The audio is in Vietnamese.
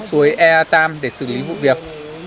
suối e ba để xử lý vụ việc